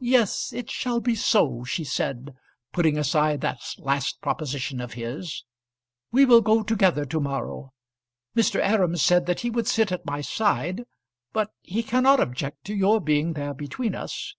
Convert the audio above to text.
"Yes, it shall be so," she said, putting aside that last proposition of his. "We will go together to morrow. Mr. Aram said that he would sit at my side, but he cannot object to your being there between us."